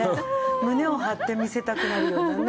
胸を張って見せたくなるようなね。